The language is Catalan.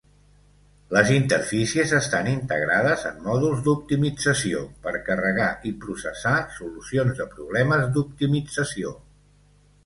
Les interfícies estan integrades en mòduls d’optimització per carregar i processar solucions de problemes d’optimització.